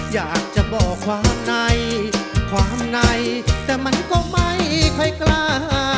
อยากจะบอกความในความในแต่มันก็ไม่ค่อยกล้า